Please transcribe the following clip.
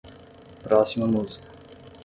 Próxima música.